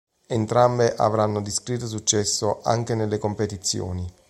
Entrambe avranno discreto successo, anche nelle competizioni.